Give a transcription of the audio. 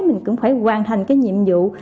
mình cũng phải hoàn thành cái nhiệm vụ